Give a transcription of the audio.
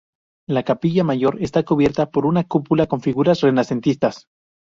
La capilla mayor está cubierta por una cúpula con figuras renacentistas.